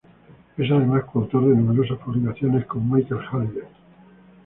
Es además coautor de numerosas publicaciones con Michael Halliday.